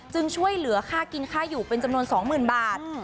ช่วยเหลือค่ากินค่าอยู่เป็นจำนวน๒๐๐๐บาท